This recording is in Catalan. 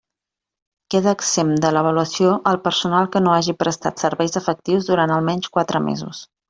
Queda exempt de l'avaluació el personal que no hagi prestat serveis efectius durant almenys quatre mesos.